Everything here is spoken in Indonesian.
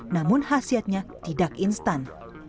namun khasiatnya tidak instan